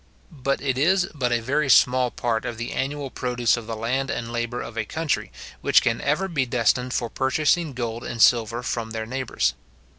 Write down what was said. But it is but a very small part of the annual produce of the land and labour of a country, which can ever be destined for purchasing gold and silver from their neighbours.